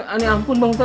anak ampun mbak ustadz